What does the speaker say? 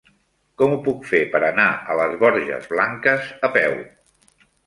Com ho puc fer per anar a les Borges Blanques a peu?